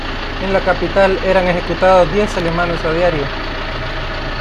En la capital eran ejecutados diez alemanes a diario.